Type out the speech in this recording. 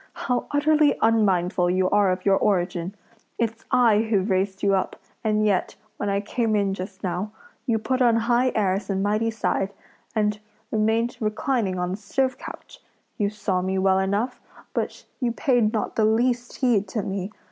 how utterly unmindful you are of your origin! It's I who've raised you up, and yet, when I came just now, you put on high airs and mighty side, and remained reclining on the stove couch! You saw me well enough, but you paid not the least heed to me!